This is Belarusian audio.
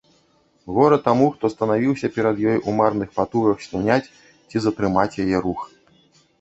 Гора таму, хто станавіўся перад ёй у марных патугах суняць ці затрымаць яе рух!